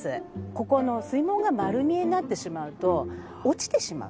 ここの水門が丸見えになってしまうと落ちてしまう。